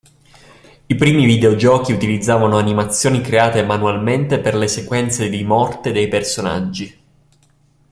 I primi videogiochi utilizzavano animazioni create manualmente per le sequenze di morte dei personaggi.